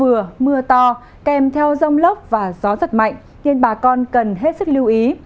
mưa vừa mưa to kèm theo rông lốc và gió giật mạnh nên bà con cần hết sức lưu ý